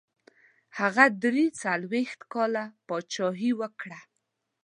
هغه دري څلوېښت کاله پاچهي وکړه.